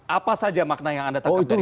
apa saja makna yang anda tangkap dari bidang ini